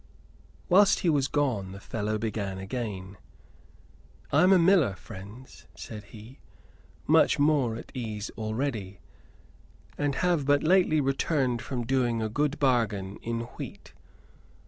Whilst he was gone the fellow began again. "I am a miller, friends," said he, much more at ease already, "and have but lately returned from doing a good bargain in wheat.